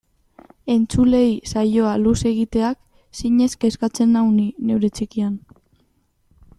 Entzuleei saioa luze egiteak zinez kezkatzen nau ni, neure txikian.